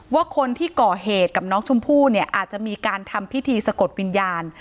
ว่าคนที่ก่อเหตุกับน้องชมพู่เนี่ยอาจจะมีการทำพิธีสะกดวิญญาณ